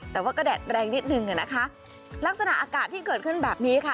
แต่ว่าก็แดดแรงนิดนึงอ่ะนะคะลักษณะอากาศที่เกิดขึ้นแบบนี้ค่ะ